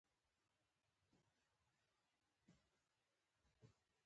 موزیک خندا ته لاره پرانیزي.